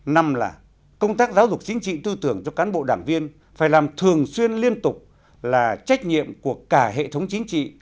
năm là công tác giáo dục chính trị tư tưởng cho cán bộ đảng viên phải làm thường xuyên liên tục là trách nhiệm của cả hệ thống chính trị